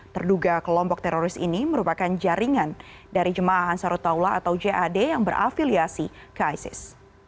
terduga kelompok teroris ini merupakan jaringan dari jemaah ansarut taula atau jad yang berafiliasi ke isis